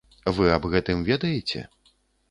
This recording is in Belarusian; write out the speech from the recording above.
Вы аб гэтым ведаеце?